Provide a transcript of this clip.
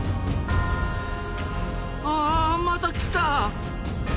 あまた来た！